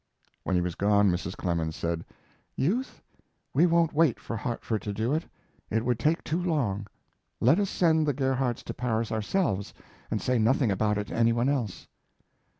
When he was gone Mrs. Clemens said: "Youth, we won't wait for Hartford to do it. It would take too long. Let us send the Gerhardts to Paris ourselves, and say nothing about it to any one else."